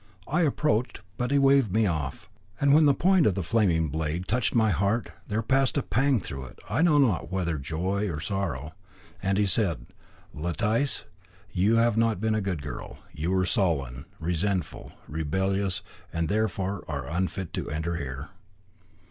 I approached, but he waved me off, and when the point of the flaming blade touched my heart, there passed a pang through it, I know not whether of joy or of sorrow. And he said: 'Letice, you have not been a good girl; you were sullen, resentful, rebellious, and therefore are unfit to enter here.